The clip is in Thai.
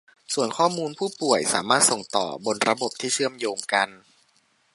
ส่วนข้อมูลผู้ป่วยสามารถส่งต่อบนระบบที่เชื่อมโยงกัน